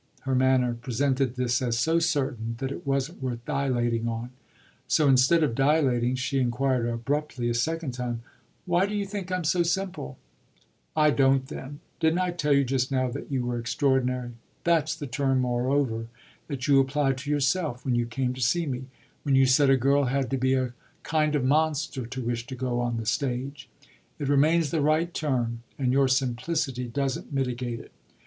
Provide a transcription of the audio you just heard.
Her manner presented this as so certain that it wasn't worth dilating on; so instead of dilating she inquired abruptly a second time: "Why do you think I'm so simple?" "I don't then. Didn't I tell you just now that you were extraordinary? That's the term, moreover, that you applied to yourself when you came to see me when you said a girl had to be a kind of monster to wish to go on the stage. It remains the right term and your simplicity doesn't mitigate it.